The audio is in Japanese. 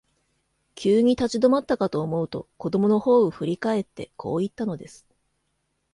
急に立ち止まったかと思うと、子供のほうを振り返って、こう言ったのです。